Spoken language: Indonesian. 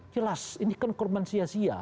jelas ini kan korban sia sia